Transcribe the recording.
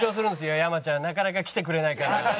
山ちゃんなかなか来てくれないから。